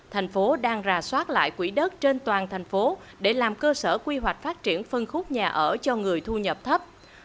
thành phố đang rà soát lại quỹ đất trên toàn thành phố để làm cơ sở quy hoạch phát triển phân khúc nhà ở cho người thu nhập thấp